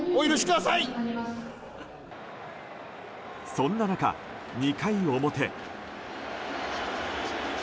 そんな中、２回表。